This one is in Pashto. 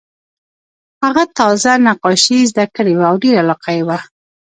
هغه تازه نقاشي زده کړې وه او ډېره علاقه یې وه